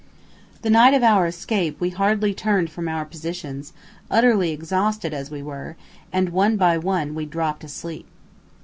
The night of our escape we hardly turned from our positions, utterly exhausted as we were, and one by one we dropped asleep.